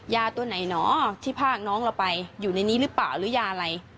ยาตัวไหนหนอที่พากน้องเราไปอยู่ในนี้หรือเปล่าหรือยาอะไร